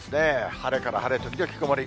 晴れから晴れ時々曇り。